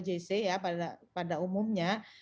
jc ya pada umumnya